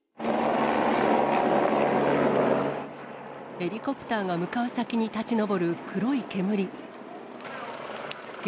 ヘリコプターが向かう先に立ち上る黒い煙。